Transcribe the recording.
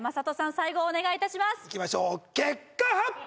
最後お願いいたしますいきましょう結果発表！